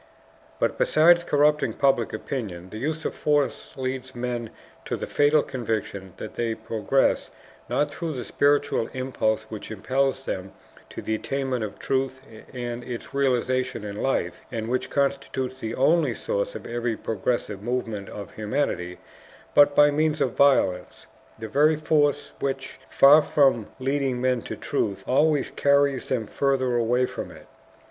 But besides corrupting public opinion, the use of force leads men to the fatal conviction that they progress, not through the spiritual impulse which impels them to the attainment of truth and its realization in life, and which constitutes the only source of every progressive movement of humanity, but by means of violence, the very force which, far from leading men to truth, always carries them further away from it.